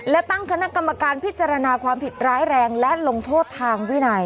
และตั้งคณะกรรมการพิจารณาความผิดร้ายแรงและลงโทษทางวินัย